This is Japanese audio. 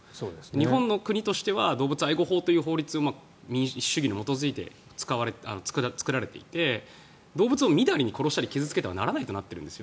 日本の国としては動物愛護法という法律が民主主義に基づいて作られていて動物をみだりに殺したり傷付けたりしてはいけないとなっているんです。